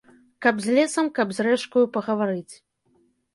Каб з лесам, каб з рэчкаю пагаварыць.